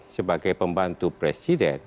sebagai pembantu presiden